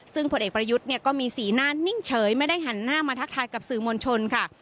ซึ่งผลเอกประยุทธ์เนี่ยก็มีสีหน้านิ่งเฉยไม่ได้หันหน้ามาทักทายกับสื่อมวลชนค่ะ